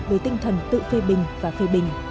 về tinh thần tự phê bình và phê bình